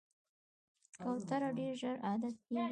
کوتره ډېر ژر عادت کېږي.